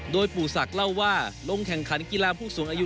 โดยปู่ศักดิ์เล่าว่าลงแข่งขันกีฬาผู้สูงอายุ